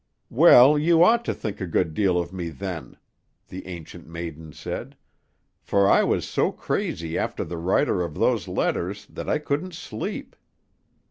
"Well, you ought to think a good deal of me, then," the Ancient Maiden said, "for I was so crazy after the writer of those letters that I couldn't sleep.